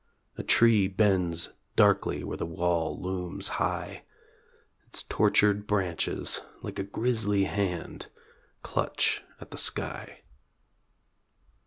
A tree bends darkly where the wall looms high; Its tortured branches, like a grisly hand, Clutch at the sky.